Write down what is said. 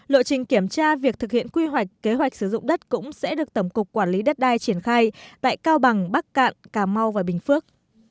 lộ trình kiểm tra việc thực hiện quy hoạch kế hoạch sử dụng đất cũng sẽ được tổng cục quản lý đất đai triển khai tại cao bằng bắc cạn cà mau và bình phước